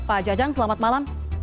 pak jajang selamat malam